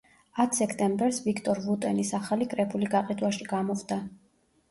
ათ სექტემბერს ვიქტორ ვუტენის ახალი კრებული გაყიდვაში გამოვდა.